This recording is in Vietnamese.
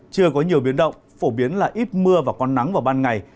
chưa có nhiều biến động phổ biến là ít mưa và có nắng vào ban ngày